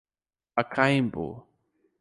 Pacaembu